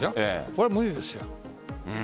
これは無理です。